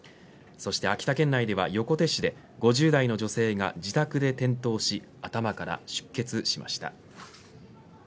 そして秋田県内では横手市で５０代の女性が自宅で転倒し頭から出血しました。